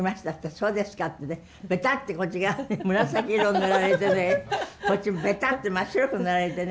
そうですかってねベタッてこっち側に紫色塗られてねこっちベタッて真っ白く塗られてね。